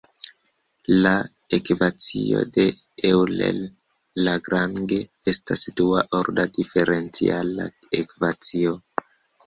La ekvacio de Euler–Lagrange estas dua-orda diferenciala ekvacio.